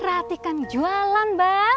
perhatikan jualan bang